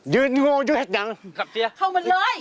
ยืนโง่อยู่แค่นั้นครับเจียเข้ามาเลย